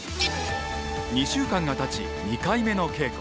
２週間がたち２回目の稽古。